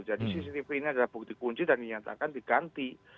jadi cctv ini adalah bukti kunci dan dinyatakan diganti